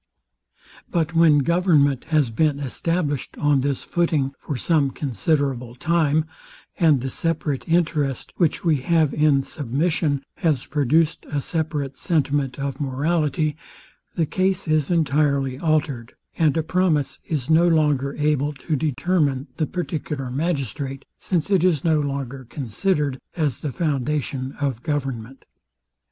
But when government has been established on this footing for some considerable time, and the separate interest, which we have in submission, has produced a separate sentiment of morality, the case is entirely altered, and a promise is no longer able to determine the particular magistrate since it is no longer considered as the foundation of government.